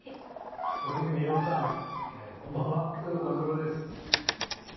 大泉洋さんこんばんは宮藤官九郎です。